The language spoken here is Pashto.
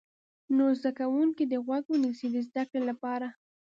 نور زده کوونکي دې غوږ ونیسي د زده کړې لپاره.